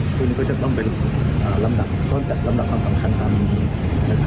ตอนนี้ก็จะต้องไปลำดับความสำคัญของทางบินดี